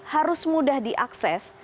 harus mudah diakses